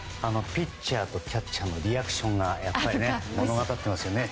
ピッチャーとキャッチャーのリアクションが物語っていますよね。